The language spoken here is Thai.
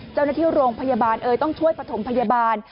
เจ้าหน้าที่โรงพยาบาลเอ่ยต้องช่วยประถมพยาบาล